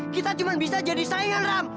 kita cuma bisa jadi saya ram